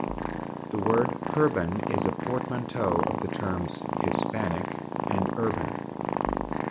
The word hurban is a portmanteau of the terms "Hispanic" and "urban.